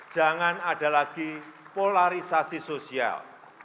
jangan ada lagi polarisasi sosial